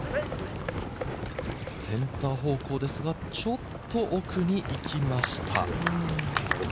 センター方向ですが、ちょっと奥に行きました。